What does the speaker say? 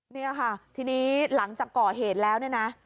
นี่ค่ะทีนี้หลังจากก่อเหตุแล้วเนี่ยนะ